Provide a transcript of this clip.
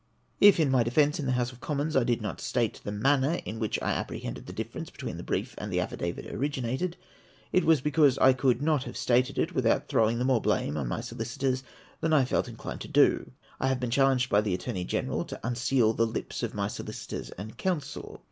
If, in my defence in the House of Commons, I did not state the manner in which I apprehend the difference be tween the brief and the affidavit originated, it was because I could not have stated it without throwing the more blame on my solicitors than I felt inclined to do. I have been challenged by the Attorney Greneral to unseal the lips of my solicitors and counsel.